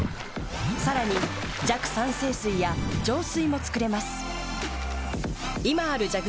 さらに弱酸性水や浄水も作れます。